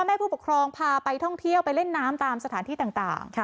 แม่ผู้ปกครองพาไปท่องเที่ยวไปเล่นน้ำตามสถานที่ต่าง